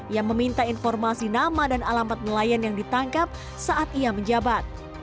ia meminta informasi nama dan alamat nelayan yang ditangkap saat ia menjabat